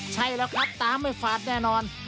ใช่แล้วครับตาไม่ฝาดแน่นอน